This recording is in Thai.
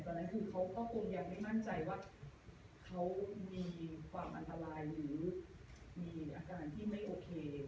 ตอนนั้นคือเขาก็คงยังไม่มั่นใจว่าเขามีความอันตรายหรือมีอาการที่ไม่โอเค